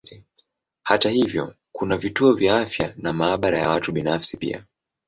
Hata hivyo kuna vituo vya afya na maabara ya watu binafsi pia.